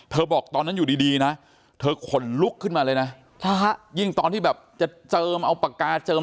บอกตอนนั้นอยู่ดีนะเธอขนลุกขึ้นมาเลยนะยิ่งตอนที่แบบจะเจิมเอาปากกาเจิม